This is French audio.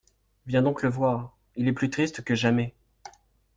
Viens donc le voir, il est plus triste que jamais !